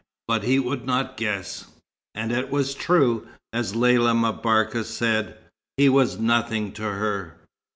But he would not guess. And it was true, as Lella M'Barka said, he was nothing to her.